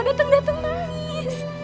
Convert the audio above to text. kamu kok dateng dateng nangis